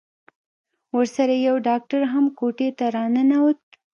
ورسره يو ډاکتر هم کوټې ته راننوت.